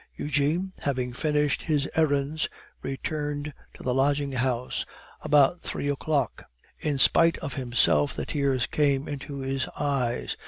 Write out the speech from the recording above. Eugene, having finished his errands, returned to the lodging house about three o'clock. In spite of himself, the tears came into his eyes.